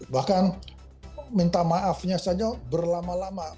bahkan minta maafnya saja berlama lama